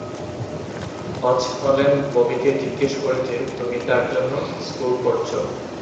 হচ Helen ববিকে জিজ্ঞেস করেছে তুমি তার জন্য স্কোর করছো?